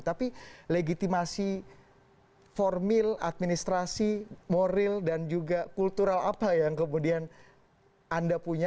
tapi legitimasi formil administrasi moral dan juga kultural apa yang kemudian anda punya